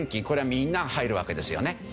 これはみんな入るわけですよね。